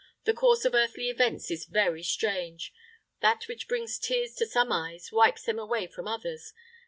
The course of earthly events is very strange. That which brings tears to some eyes wipes them away from others.